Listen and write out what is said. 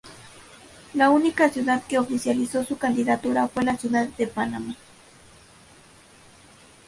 La única ciudad que oficializó su candidatura fue Ciudad de Panamá.